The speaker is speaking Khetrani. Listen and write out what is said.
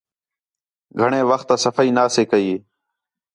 گھݨیں وخت آ صفائی نا سے کَئی